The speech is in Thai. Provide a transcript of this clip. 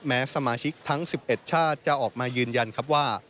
แม้สมาชิกทั้ง๑๑ชาติจะออกมายืนยันครับว่า